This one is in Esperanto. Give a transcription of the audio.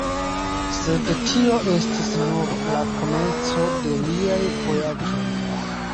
Sed tio estis nur la komenco de liaj vojaĝoj.